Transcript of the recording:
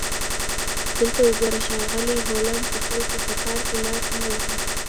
دلته وګوره ښاغلی هولمز د خلکو په کار کې لاس مه وهه